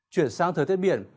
chuyển sang thời tiết biển